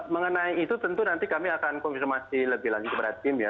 mengenai itu tentu nanti kami akan konfirmasi lebih lanjut kepada tim ya